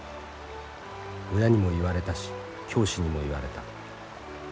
親にも言われたし教師にも言われた。